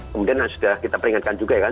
kemudian sudah kita peringatkan juga ya kan